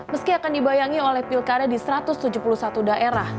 meski akan dibayangi oleh pilkada di satu ratus tujuh puluh satu daerah